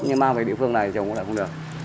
nhưng mà về địa phương này thì trồng lại không được